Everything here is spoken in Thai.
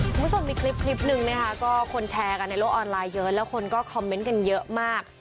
คุณผู้ชมมีคลิปคลิปหนึ่งนะคะก็คนแชร์กันในโลกออนไลน์เยอะแล้วคนก็คอมเมนต์กันเยอะมาก